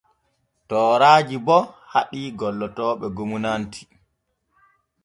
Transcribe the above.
Tooraaji bo haɗii gollotooɓe gomnati.